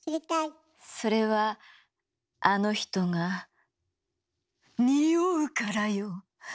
それはあの人が「臭う」からよ。